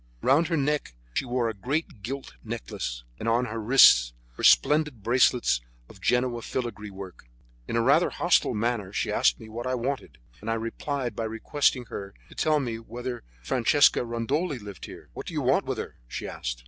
Round her neck she wore a great gilt necklace, and on her wrists were splendid bracelets of Genoa filigree work. In rather a hostile manner she asked me what I wanted, and I replied by requesting her to tell me whether Francesca Rondoli lived there. "What do you want with her?" she asked.